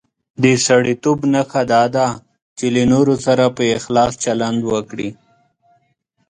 د سړیتوب نښه دا ده چې له نورو سره په اخلاص چلند وکړي.